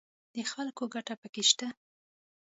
د خلکو ګټه پکې شته